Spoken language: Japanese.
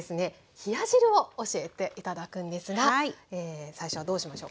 冷や汁を教えて頂くんですが最初はどうしましょうか？